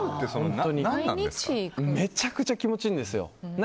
めちゃくちゃ気持ちいいんですよ。